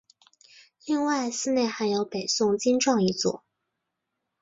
另外寺内还有北宋经幢一座。